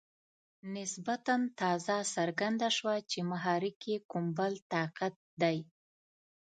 نسبتاً تازه څرګنده شوه چې محرک یې کوم بل طاقت دی.